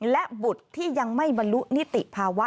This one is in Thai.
และบุตรที่ยังไม่บรรลุนิติภาวะ